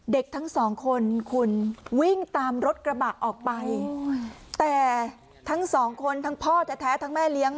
เด็กทั้งสองคนคุณวิ่งตามรถกระบะออกไปแต่ทั้งสองคนทั้งพ่อแท้ทั้งแม่เลี้ยง